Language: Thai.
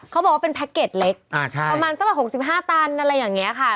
เขาบอกว่าเป็นแพ็คเก็ตเล็กประมาณสักแบบ๖๕ตันอะไรอย่างนี้ค่ะ